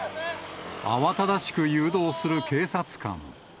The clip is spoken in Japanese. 慌ただしく誘導する警察官。